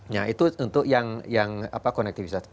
nah itu untuk yang konektivitas